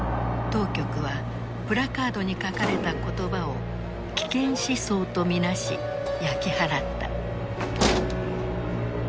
当局はプラカードに書かれた言葉を危険思想と見なし焼き払った。